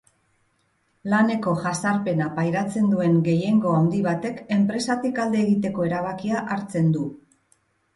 Laneko jazarpena pairatzen duen gehiengo handi batek enpresatik alde egiteko erabakia hartzen du.